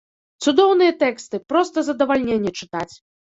Цудоўныя тэксты, проста задавальненне чытаць.